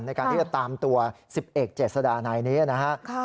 ในการที่จะตามตัว๑๑เจษฎราณัยนี้นะครับ